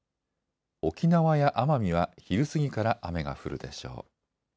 沖縄や奄美は昼過ぎから雨が降るでしょう。